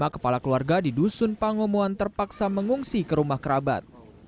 tiga puluh lima kepala keluarga di dusun pangomuan terpaksa mengungsi ke rumah kerabat